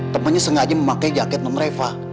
temannya sengaja memakai jaket non refah